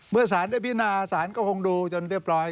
เมื่อสารได้พินาศาลก็คงดูจนเรียบร้อย